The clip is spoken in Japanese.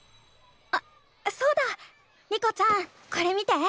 あそうだ。リコちゃんこれ見て。